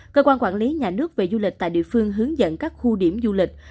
cơ quan quản lý nhà nước về du lịch tại địa phương hướng dẫn các khu điểm du lịch